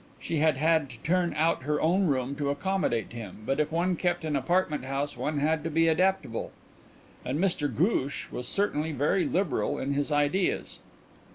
She had had to turn out of her own room to accommodate him, but if one kept an apartment house one had to be adaptable; and Mr Ghoosh was certainly very liberal in his ideas.